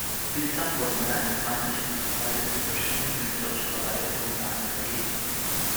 Bislang wurden mehr als zwanzig Kunstpreise für verschiedene künstlerische Bereiche vom Verein vergeben.